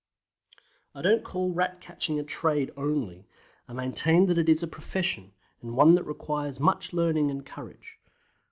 I don't call Rat catching a trade only: I maintain that it is a profession, and one that requires much learning and courage.